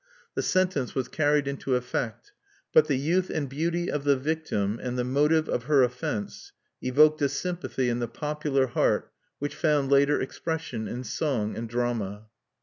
The sentence was carried into effect; but the youth and beauty of the victim, and the motive of her offense, evoked a sympathy in the popular heart which found later expression in song and, drama.